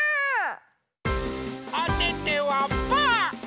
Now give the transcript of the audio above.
おててはパー！